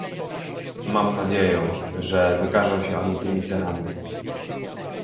Mam nadzieję, że wykażą się oni tymi cechami